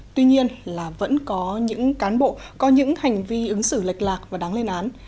tuy nhiên là vẫn có những cán bộ có những hành vi ứng xử lệch lạc và đáng lên án